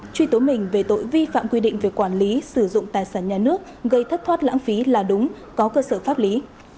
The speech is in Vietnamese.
truy tố mình về tội vi phạm quy định về quản lý sử dụng tài sản nhà nước gây thất thoát lãng phí là đúng có cơ sở pháp lý